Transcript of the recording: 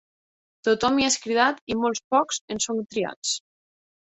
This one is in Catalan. Tothom hi és cridat i molt pocs en són triats.